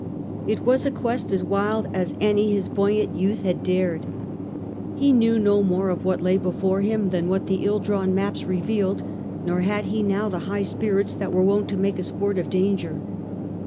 It was a quest as wild as any his buoyant youth had dared. He knew no more of what lay before him than what the ill drawn maps revealed, nor had he now the high spirits that were wont to make a sport of danger.